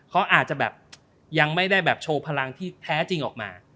เขาอาจจะแบบยังไม่ได้แบบโชว์พลังที่แท้จริงออกมา